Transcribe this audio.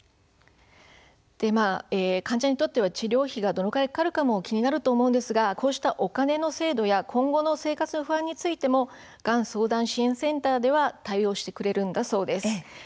患者にとっては治療費がどのくらいかかるかも気になりますがこうしたお金の制度で今後の生活の不安についてもがん相談支援センターでは対応してくれるんだそうです。